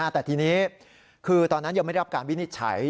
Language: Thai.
แต่ทีนี้คือตอนนั้นยังไม่ได้รับการวินิจฉัย